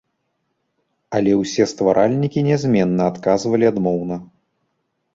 Але ўсе стваральнікі нязменна адказвалі адмоўна.